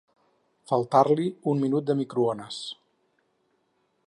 Faltar-li un minut de microones.